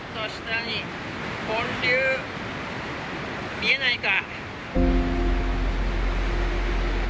見えないか。